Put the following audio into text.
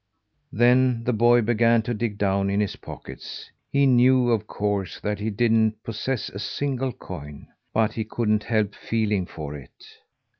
Then the boy began to dig down in his pockets. He knew, of course, that he didn't possess a single coin, but he couldn't help feeling for it.